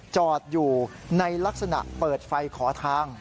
จอดอยู่ในลักษณะเปิดไฟขอทาง